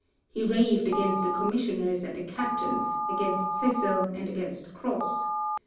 He raved against the commissioners and the captains, against Cecil and against Cross.